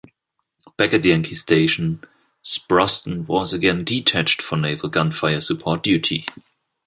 Back at Yankee Station, "Sproston" was again detached for naval gunfire support duty.